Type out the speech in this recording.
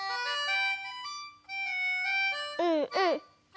うんうん。